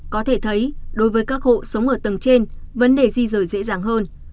có thể thấy đối với các hộ sống ở tầng trên vấn đề di rời dễ dàng hơn